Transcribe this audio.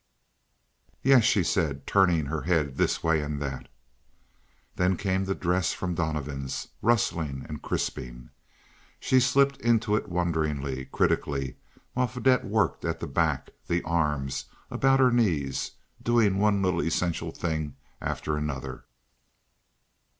"Yes," she said, turning her head this way and that. Then came the dress from Donovan's, rustling and crisping. She slipped into it wonderingly, critically, while Fadette worked at the back, the arms, about her knees, doing one little essential thing after another.